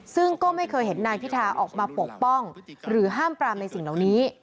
ซึ่งก็ไม่เคยเห็นนายพิธาออกมาปกป้องหรือห้ามปรามในสิ่งเหล่านี้